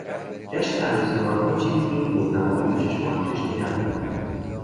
جشن عروسی آنها چیزی جز خودنمایی و چشم و همچشمی نبود.